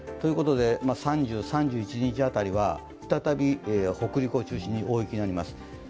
３０、３１日辺りは再び北陸辺りから大雪になります。